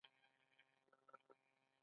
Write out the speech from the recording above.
دا خزانه د نړۍ له عجايبو ګڼل کیږي